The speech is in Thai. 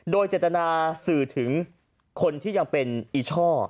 โดยเจตนาสื่อถึงคนที่ยังเป็นอีช่อ